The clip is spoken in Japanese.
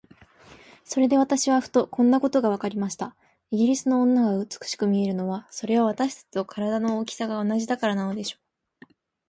それで私はふと、こんなことがわかりました。イギリスの女が美しく見えるのは、それは私たちと身体の大きさが同じだからなのでしょう。